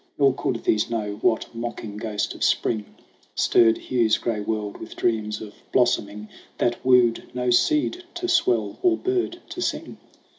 Nor could these know what mocking ghost of Spring Stirred Hugh's gray world with dreams of blossom ing That wooed no seed to swell or bird to sing.